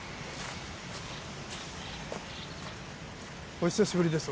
お久しぶりです